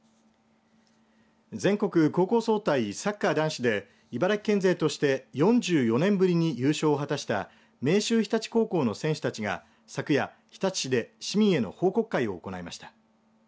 全国高校総体サッカー男子で茨城県勢として４４年ぶりに優勝を果たした明秀日立高校の選手たちが昨夜、日立市で市民への報告会を行いました。